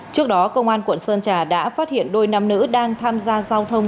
trước đó công an quận sơn trà đã phát hiện đôi nam nữ đang tham gia giao thông